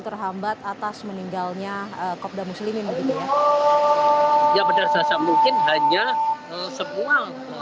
terhambat atas meninggalnya kopda muslimin begitu ya benar saja mungkin hanya semua